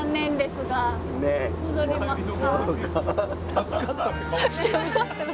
助かったって顔してる。